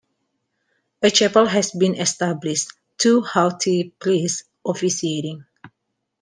A chapel has been established, two haughty priests officiating.